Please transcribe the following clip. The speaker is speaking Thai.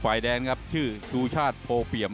ฝ่าด้านครับที่ชื่อดูชาติโตเกี่ยม